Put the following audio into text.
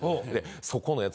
そこのやつ